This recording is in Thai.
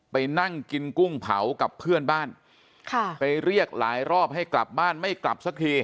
ไปนั่งกินกุ้งเผากับเพื่อนบ้านค่ะไปเรียกหลายรอบให้กลับบ้านไม่กลับสักที